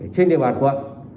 trên địa bàn quận